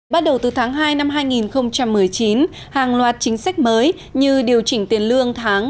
bắt đầu từ tháng hai năm hai nghìn một mươi chín hàng loạt chính sách mới như điều chỉnh tiền lương tháng